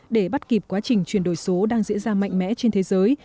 để bắt kịp quá trình chuyển đổi số đang diễn ra mạnh mẽ trên thế giới